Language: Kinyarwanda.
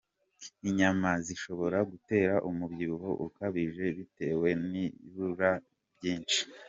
Inyama zishobora gutera umubyibuho ukabije bitewe n’ibinure byinshi.